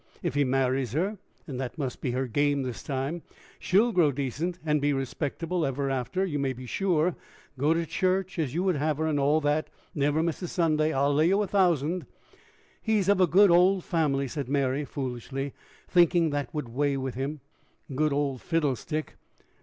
If he marries her and that must be her game this time she'll grow decent, and be respectable ever after, you may be sure go to church, as you would have her, and all that never miss a Sunday, I'll lay you a thousand." "He's of a good old family!" said Mary, foolishly, thinking that would weigh with him. "Good old fiddlestick!